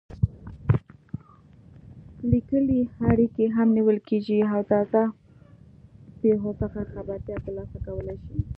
لیکلې اړیکې هم نیول کېږي او تازه پېښو څخه خبرتیا ترلاسه کولای شي.